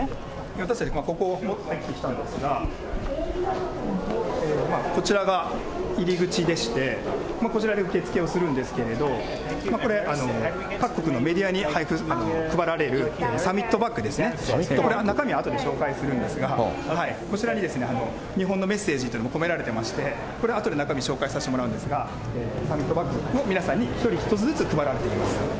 私たち、ここを入ってきたんですが、こちらが入り口でして、こちらで受け付けをするんですけれども、これ、各国のメディアに配付、配られるサミットバッグですね、これ中身、後で紹介するんですが、こちらに日本のメッセージというのも込められてまして、これあとで中身紹介させてもらうんですが、サミットバッグを皆さんに、１人１つずつ配られています。